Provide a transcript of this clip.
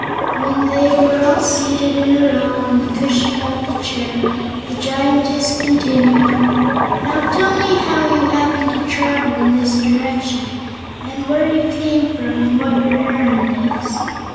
When they were all seated in a row on the cushion of the chair, the Giantess continued: "Now tell me how you happened to travel in this direction, and where you came from and what your errand is."